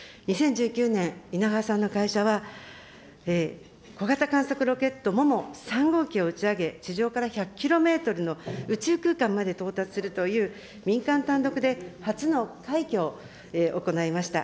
２０１９年、いながわさんの会社は、小型観測ロケット、もも３号機を打ち上げ、１００キロメートルの宇宙空間まで到達するという民間単独で初の快挙を行いました。